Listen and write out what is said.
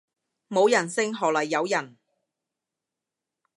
冇人性何來有人